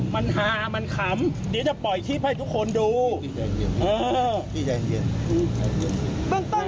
มันหามันขำเดี๋ยวจะปล่อยชีพให้ทุกคนดู